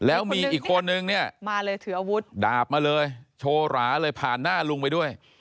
แล้วมีอีกคนนึงเนี่ยมาเลยถืออาวุธดาบมาเลยโชว์หราเลยผ่านหน้าลุงไปด้วย